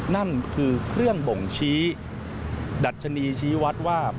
นั่นคือเครื่องบ่งชี้ดัชนีชี้วัดว่า